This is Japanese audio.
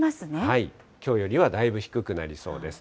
きょうよりはだいぶ低くなりそうです。